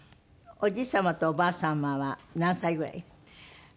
おじい様とおばあ様は何歳ぐらい？